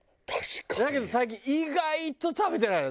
だけど最近意外と食べてないのよ。